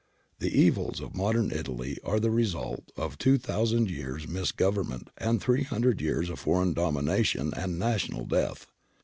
The evils of modern Italy are the result of two thousand years' misgovernment and three hundred years of foreign domination and national death.